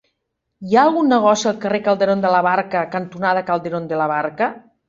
Hi ha algun negoci al carrer Calderón de la Barca cantonada Calderón de la Barca?